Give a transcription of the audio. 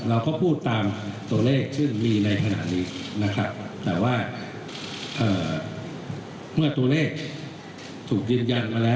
เราก็พูดตามตัวเลขที่มีในขณะนี้นะครับแต่ว่าเมื่อตัวเลขถูกยืนยันมาแล้ว